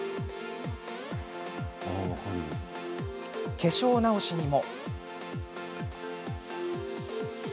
化粧直しにも。